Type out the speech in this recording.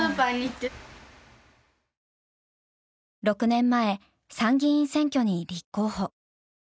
６年前参議院選挙に立候補。